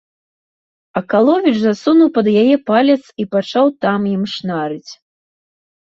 Акаловіч засунуў пад яе палец і пачаў там ім шнарыць.